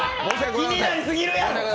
気になりすぎるやろ！